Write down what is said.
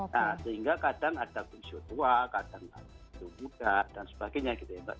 nah sehingga kadang ada kuning tua kadang ada kuning muda dan sebagainya gitu ya pak